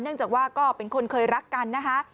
เนื่องจากว่าก็เป็นคนเคยรักกันนะฮะ